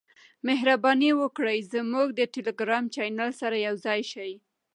مهرباني وکړئ زموږ د ټیلیګرام چینل سره یوځای شئ .